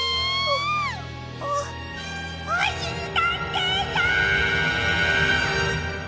おおおしりたんていさん！